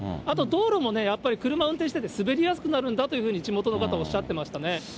あと道路も、やっぱり車運転してて、滑りやすくなるんだというふうに、地元の方おっしゃってましたね。